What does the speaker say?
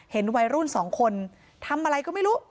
เห็นวัยรุ่นสองคนทำอะไรก็ไม่รู้